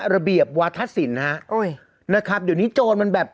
ระเบียบวาธศิลป์ฮะโอ้ยนะครับเดี๋ยวนี้โจรมันแบบ